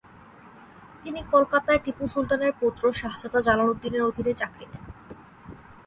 তিনি কলকাতায় টিপু সুলতানের পৌত্র শাহজাদা জালালউদ্দিনের অধীনে চাকরি নেন।